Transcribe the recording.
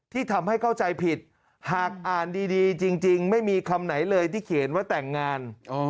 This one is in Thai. ที่ทำให้เข้าใจผิดหากอ่านดีจริงไม่มีคำไหนเลยที่เขียนว่าแต่งงาน